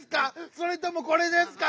それとも「これ」ですか？